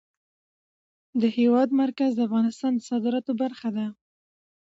د هېواد مرکز د افغانستان د صادراتو برخه ده.